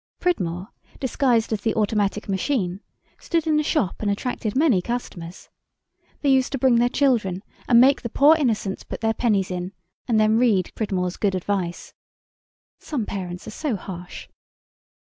Pridmore, disguised as the automatic machine, stood in the shop and attracted many customers. They used to bring their children, and make the poor innocents put their pennies in, and then read Pridmore's good advice. Some parents are so harsh.